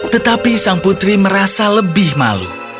tetapi sang putri merasa lebih malu